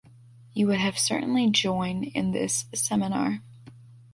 You would have certainly join in this seminar.